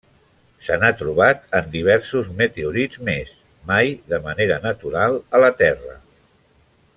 Se n'ha trobat en diversos meteorits més, mai de manera natural a la Terra.